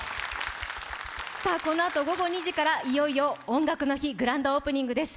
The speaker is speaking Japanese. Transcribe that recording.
このあと午後２時からいよいよ「音楽の日」、グランドオープニングです。